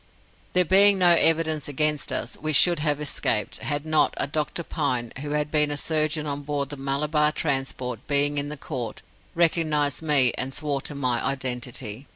There being no evidence against us, we should have escaped, had not a Dr. Pine, who had been surgeon on board the Malabar transport, being in the Court, recognized me and swore to my identity.